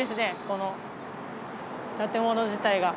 この建物自体が。